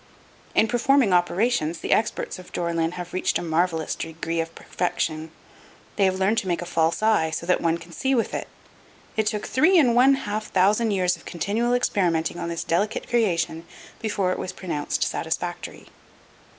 In performing operations, the experts of Dore lyn have reached a marvelous degree of perfection. They have learned to make a false eye so that one can see with it. It took three and one half thousand years of continual experimenting on this delicate creation before it was pronounced satisfactory.